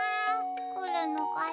くるのかな？